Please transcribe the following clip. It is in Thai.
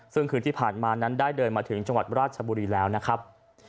ซึ่งคืนที่ผ่านมานั้นได้เดินมาถึงจังหวัดราชบุรีแล้วนะครับ